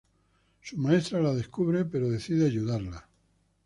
Su maestra la descubre pero decide ayudarla.